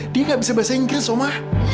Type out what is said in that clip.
dia gak bisa bahasa inggris soma